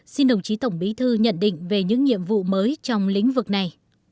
xin đồng chí tổng bí thư nhận định về những nhiệm vụ mới trong lĩnh vực này